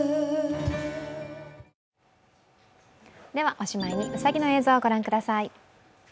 おしまいにうさぎの映像を御覧ください。